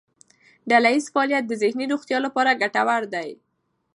ډلهییز فعالیت د ذهني روغتیا لپاره ګټور دی.